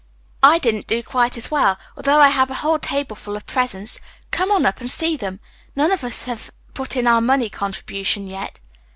"I didn't do quite as well, although I have a whole table full of presents. Come on up and see them. None of us have put in our money contribution yet."